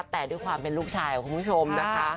แต่ด้วยความเป็นลูกชายของคุณผู้ชมนะคะ